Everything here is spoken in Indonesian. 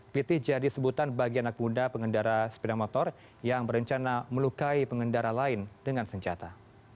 piti jadi sebutan bagi anak muda pengendara sepeda motor yang berencana melukai pengendara lain dengan senjata